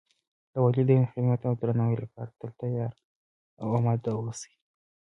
د والدینو خدمت او درناوۍ لپاره تل تیار او آماده و اوسئ